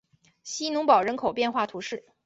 希农堡人口变化图示